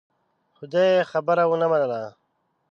خو دې يې خبره ونه منله.